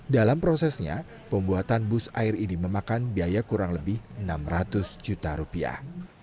dalam prosesnya pembuatan bus air ini memakan biaya kurang lebih enam ratus juta rupiah